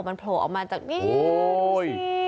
มันโผล่ออกมาจากนี้โอ้ย